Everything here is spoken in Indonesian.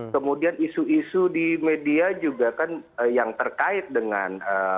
kemudian isu isu di media juga kan yang terkait dengan